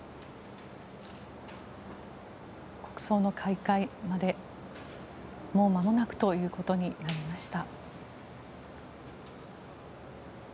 国葬の開会までもうまもなくとなりました。